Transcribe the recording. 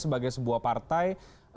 sebagai sebuah partai